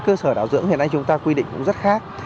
cơ sở đạo dưỡng hiện nay chúng ta quy định cũng rất khác